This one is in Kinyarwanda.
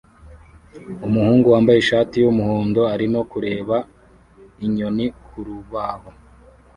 Umuhungu wambaye ishati yumuhondo arimo kureba inyoni kurubaho